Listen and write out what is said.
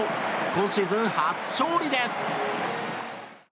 今シーズン初勝利です。